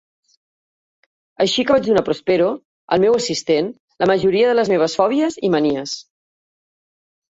Així que vaig donar a Prospero, el meu assistent, la majoria de les meves fòbies i manies.